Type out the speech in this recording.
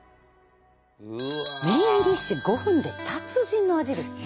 メインディッシュ「５分で達人の味」ですって。